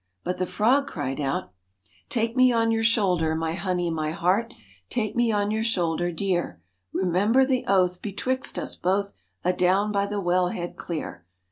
But the frog cried out ' Take me on your shoulder, my honey, my heart, Take me on your shoulder, dear. Remember the oath betwixt us both, Adown by the wellhead clear.'